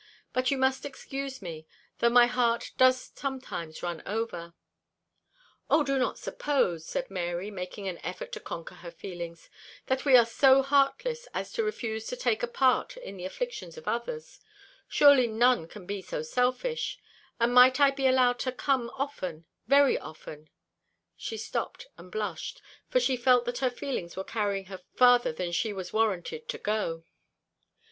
But you must excuse me, though my heart does sometimes run over." "Oh, do not suppose," said Mary, making an effort to conquer her feelings, "that we are so heartless as to refuse to take a part in the afflictions of others; surely none can be so selfish; and might I be allowed to come often very often " She stopped and blushed; for she felt that her feelings were carrying her farther than she was warranted to go.